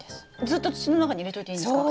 ずっと土の中に入れといていいんですか？